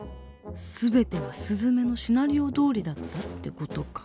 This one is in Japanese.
全てはすずめのシナリオどおりだったって事か。